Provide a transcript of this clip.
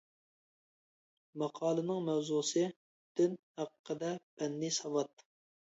ماقالىنىڭ ماۋزۇسى «دىن ھەققىدە پەننىي ساۋات» .